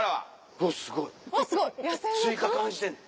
うわすごいスイカ感じてんねん。